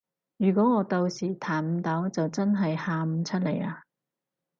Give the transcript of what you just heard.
如果我到時彈唔到就真係喊出嚟啊